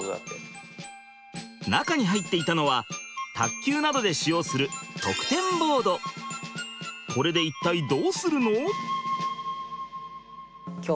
中に入っていたのは卓球などで使用するこれで一体どうするの？